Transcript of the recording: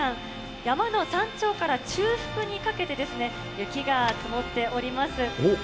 山の山頂から中腹にかけてですね、雪が積もっております。